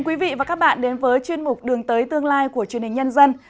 quý vị và các bạn đến với chuyên mục đường tới tương lai của truyền hình nhân dân